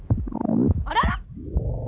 あらら？